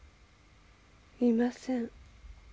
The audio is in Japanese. いません。